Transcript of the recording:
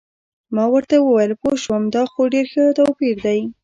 ما ورته وویل: پوه شوم، دا خو ډېر ښه توپیر دی.